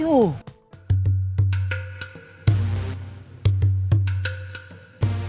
jadi kita pertama kali